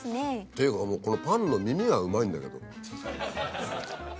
っていうかもうこのパンの耳がうまいんだけど。